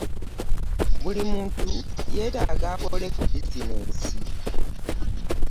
Buli muntu yeetaaga akole ku bizineesi.